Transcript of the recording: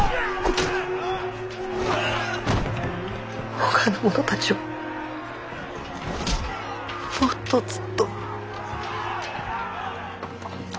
ほかの者たちはもっとずっと。